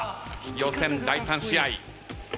予選第３試合。